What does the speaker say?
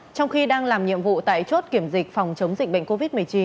trong khi đang làm nhiệm vụ tại chốt kiểm dịch phòng chống dịch bệnh covid một mươi chín